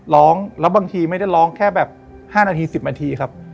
ร้องแล้วบางทีไม่ได้ร้องแค่แบบ๕นาที๑๐นาทีครับ